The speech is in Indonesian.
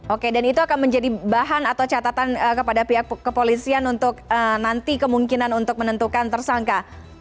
oke dan itu akan menjadi bahan atau catatan kepada pihak kepolisian untuk nanti kemungkinan untuk menentukan tersangka